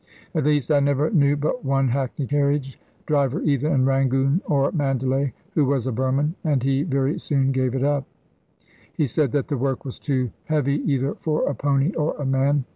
At least, I never knew but one hackney carriage driver either in Rangoon or Mandalay who was a Burman, and he very soon gave it up. He said that the work was too heavy either for a pony or a man.